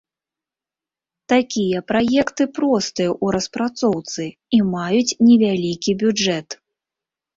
Такія праекты простыя ў распрацоўцы і маюць невялікі бюджэт.